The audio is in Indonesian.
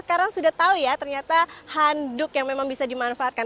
sekarang sudah tahu ya ternyata handuk yang memang bisa dimanfaatkan